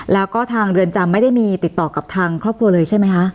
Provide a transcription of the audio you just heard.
แล้วก็ทางเรือนจำไม่ได้มีติดต่อกับทางครอบครัวเลยใช่ไหมคะ